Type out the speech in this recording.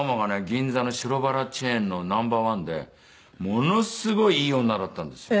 銀座の白ばらチェーンのナンバーワンでものすごいいい女だったんですよ。